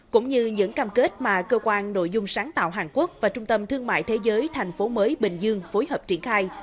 cũng như những cam kết mà cơ quan nội dung sáng tạo hàn quốc và trung tâm thương mại thế giới thành phố mới bình dương phối hợp triển khai